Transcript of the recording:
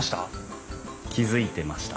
気付いてました。